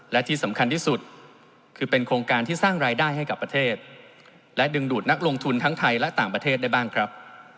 และที่สำคัญที่สุดคือเป็นโครงการที่สร้างรายได้ให้กับประเทศและดึงดูดนักลงทุนทั้งไทยและต่างประเทศได้บ้างครับ